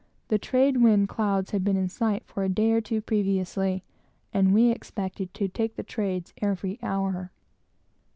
The trade wind clouds had been in sight for a day or two previously, and we expected to take them every hour.